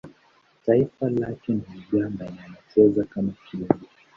Taifa lake ni Uganda na anacheza kama kiungo.